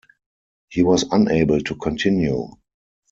He was unable to continue.